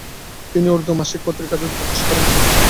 তিনি উর্দু মাসিক পত্রিকা জাদু প্রকাশ করেন।